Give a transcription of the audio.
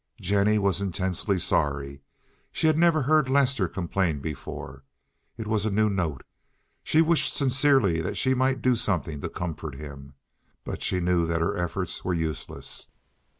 Jennie was intensely sorry. She had never heard Lester complain before. It was a new note. She wished sincerely that she might do something to comfort him, but she knew that her efforts were useless.